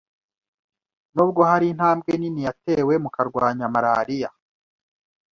Nubwo hari intambwe nini yatewe mu kurwanya malaria